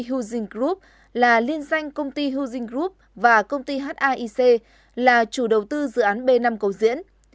huizing group là liên danh công ty huizing group và công ty haic là chủ đầu tư dự án b năm cầu diễn